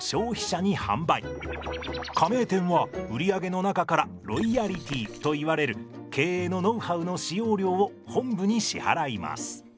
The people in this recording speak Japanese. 加盟店は売り上げの中からロイヤリティといわれる経営のノウハウの使用料を本部に支払います。